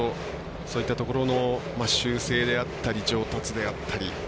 そういったところの修正であったり上達であったり。